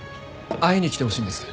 会いに来てほしいんです。